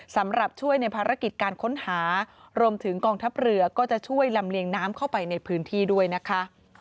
สำหรับช่วยในภารกิจการค้นหารวมถึงกองทัพเรือก็จะช่วยลำเลียงน้ำเข้าไปในพื้นที่ด้วยนะคะ